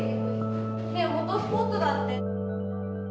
フォトスポットだって。